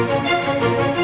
udah ngeri ngeri aja